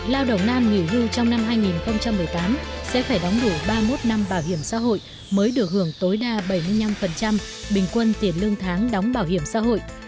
lao động nam nghỉ hưu trong năm hai nghìn một mươi tám sẽ phải đóng đủ ba mươi một năm bảo hiểm xã hội mới được hưởng tối đa bảy mươi năm bình quân tiền lương tháng đóng bảo hiểm xã hội